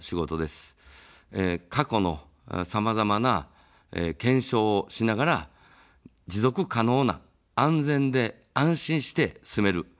過去のさまざまな検証をしながら持続可能な安全で安心して住める日本をつくる。